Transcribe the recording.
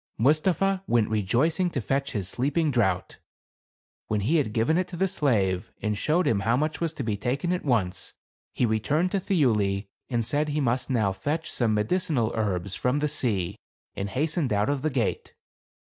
Mustapha went rejoicing to fetch his sleeping draught. When he had given it to the slave, and showed him how much was to be taken at once, he returned to Thiuli, and said he must now fetch some medicinal herbs from the sea, and hastened out of the gate.